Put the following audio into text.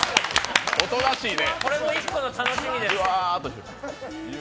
これも１個のお楽しみ。